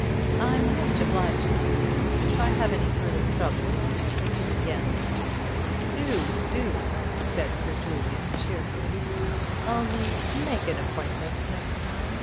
"I'm much obliged to you. If I have any further trouble I'll look in again." "Do—do—" said Sir Julian. cheerfully. "Only make an appointment another time.